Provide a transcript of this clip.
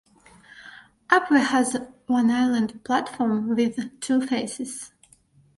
Upwey has one island platform with two faces.